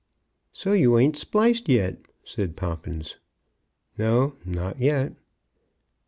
"So you ain't spliced yet," said Poppins. "No, not yet."